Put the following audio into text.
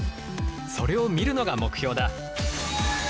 それを見るのが目標だ。